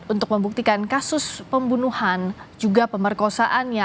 untuk membuktikan kasus pembunuhan juga pemerkosaannya